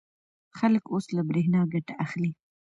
خلک اوس له برېښنا ګټه اخلي.